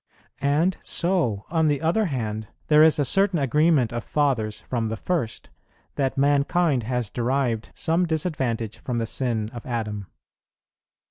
And so, on the other hand, there is a certain agreement of Fathers from the first that mankind has derived some disadvantage from the sin of Adam.